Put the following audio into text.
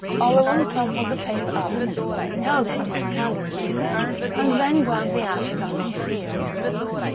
Oleron crumpled the paper up, held it in the candle flame, and then ground the ashes under his heel.